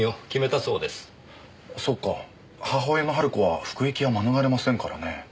そっか母親の晴子は服役は免れませんからね。